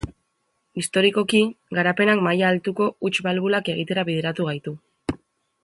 Historikoki, garapenak maila altuko huts-balbulak egitera bideratu gaitu.